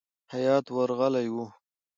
هیات ورغلی وو.